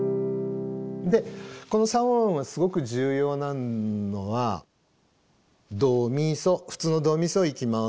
でこの三和音がすごく重要なのはドミソ普通のドミソいきます。